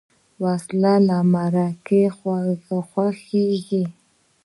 وسله له مرګه خوښیږي